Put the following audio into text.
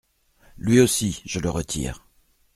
Lui aussi, je le retire.